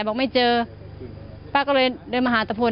บอกไม่เจอป้าก็เลยเดินมาหาตะพล